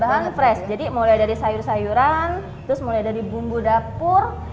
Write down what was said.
bahan fresh jadi mulai dari sayur sayuran terus mulai dari bumbu dapur